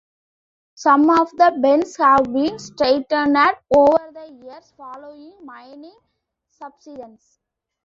Some of the bends have been straightened over the years, following mining subsidence.